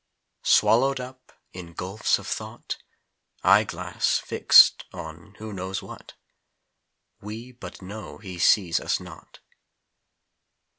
Swallowed up in gulfs of tho't Eye glass fixed on who knows what? We but know he sees us not.